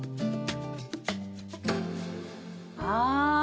ああ。